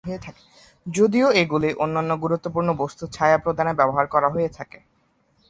যদিও এগুলি অন্যান্য গুরুত্বপূর্ণ বস্তু ছায়া প্রদানে ব্যবহার করা হয়ে থাকে।